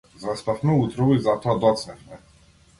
Заспавме утрово и затоа доцневме.